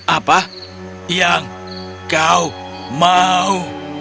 apa yang kau mau